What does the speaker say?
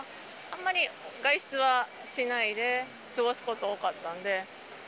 あんまり外出はしないで、過ごすこと多かったんで。